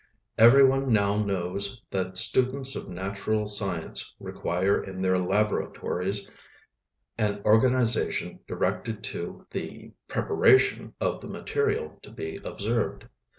Every one now knows that students of natural science require in their laboratories an organization directed to the preparation of the material to be observed.